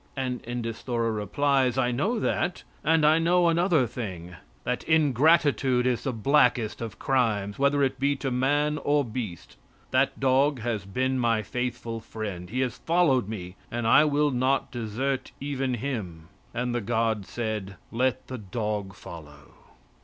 And Endesthora replies: "I know that, and I know another thing; that ingratitude is the blackest of crimes, whether it be to man or beast. That dog has been my faithful friend. He has followed me and I will not desert even him." And the god said: "Let the dog follow."